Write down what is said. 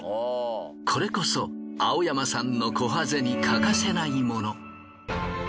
これこそ青山さんのこはぜに欠かせないもの。